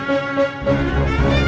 gimana kita akan menikmati rena